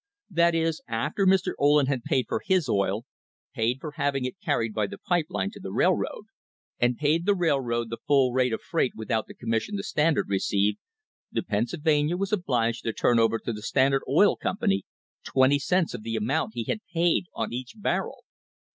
That is, after Mr. Ohlen had paid for his oil, paid for having it carried by the pipe line to the railroad, and paid the rail ! road the full rate of freight without the commission the Stand ard received, the Pennsylvania was obliged to turn over to the Standard Oil Company twenty cents of the amount he had | paid on each barrel!